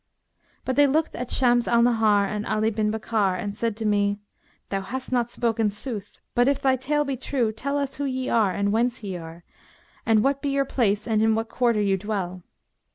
But they looked at Shams al Nahar and Ali bin Bakkar and said to me, 'Thou hast not spoken sooth but, if thy tale be true, tell us who ye are and whence ye are; and what be your place and in what quarter you dwell.'